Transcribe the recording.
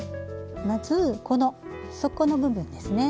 まずこの底の部分ですね。